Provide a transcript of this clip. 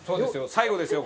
最後ですよ